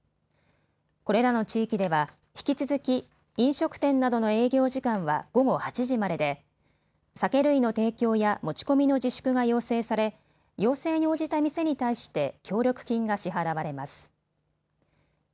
これらの地域では引き続き飲食店などの営業時間は午後８時までで酒類の提供や持ち込みの自粛が要請され要請に応じた店に対して協力金が支払われます。